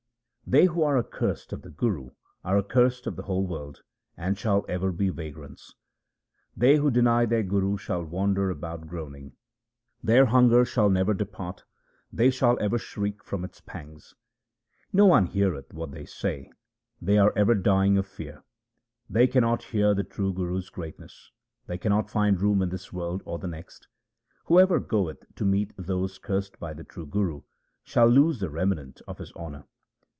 They who are accursed of the Guru are accursed of the whole world, and shall ever be vagrants. They who deny their Guru shall wander about groaning. Their hunger shall never depart ; they shall ever shriek from its pangs. No one heareth what they say ; they are ever dying of fear. They cannot bear the true Guru's greatness ; they cannot find room in this world or the next. Whoever goeth to meet those cursed by the true Guru shall lose the remnant of his honour.